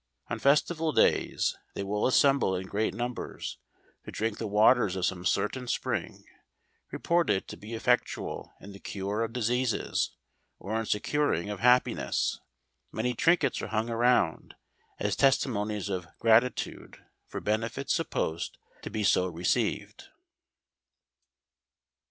On festival days, they will assemble in great numbers to drink the waters of some certain spring, reported to be effectual in the cure of diseases, or in securing of happiness. Many trinkets are hung around, as testimonies of grati¬ tude, for benefits supposed to be so received.